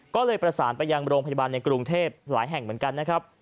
ก็เลยประสานไปยังโรงพยาบาลในกรุงเทพหลายแห่งเหมือนกันนะครับ